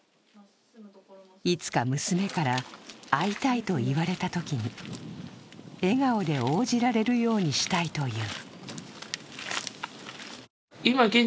いつか娘から会いたいと言われたときに笑顔で応じられるようにしたいという。